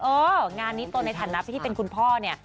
เอองานนี้ตนในฐานะที่เป็นคุณพ่อเนี่ย